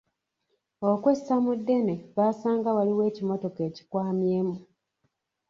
Okwessa mu ddene baasanga waliwo ekimotoka ekikwamyemu.